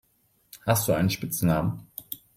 Hast du einen Spitznamen?